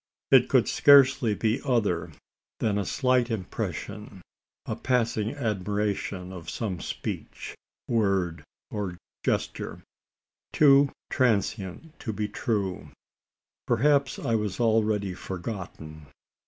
It could scarcely be other than a slight impression a passing admiration of some speech, word, or gesture too transient to be true? Perhaps I was already forgotten?